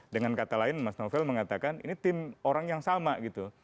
dengan kata lain mas novel mengatakan ini tim orang yang sama gitu